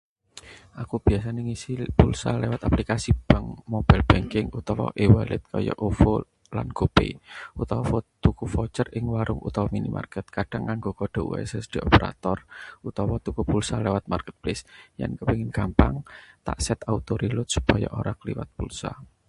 Aku biasane ngisi pulsa liwat aplikasi bank mobile banking utawa e-wallet kaya OVO lan GoPay, utawa tuku voucher ing warung utawa minimarket. Kadhang nganggo kode USSD operator, utawa tuku paket liwat marketplace. Yen kepengin gampang, tak set auto-reload supaya ora kliwat pulsa.